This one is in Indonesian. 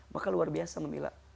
maka luar biasa memilah